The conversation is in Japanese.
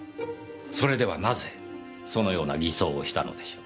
それではなぜそのような偽装をしたのでしょう？